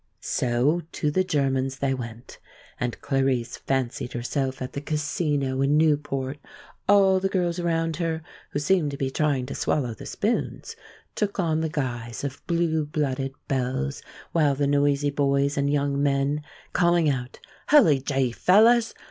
So to the German's they went, and Clarice fancied herself at the Casino in Newport. All the girls around her, who seemed to be trying to swallow the spoons, took on the guise of blue blooded belles, while the noisy boys and young men (calling out, "Hully gee, fellers!